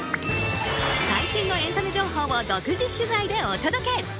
最新のエンタメ情報を独自取材でお届け。